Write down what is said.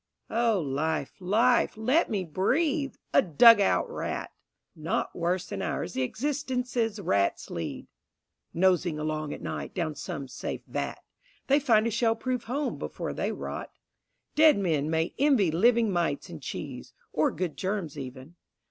O Life, Life, let me breathe, a dug out rat! Not worse than ours the existences rats lead Nosing along at night down some safe vat, They find a shell proof home before they rot. Dead men may envy living mites in cheese, Or good germs even.